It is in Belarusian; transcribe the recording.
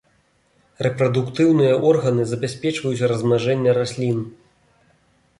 Рэпрадуктыўныя органы забяспечваюць размнажэнне раслін.